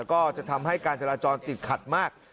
ก็จะทำให้การจราจรติดขัดมาก